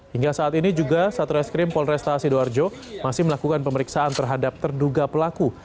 hingga saat ini juga satreskrim polresta sidoarjo masih melakukan pemeriksaan terhadap terduga pelaku